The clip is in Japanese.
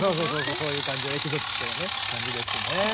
そういう感じのエキゾチックな感じですね。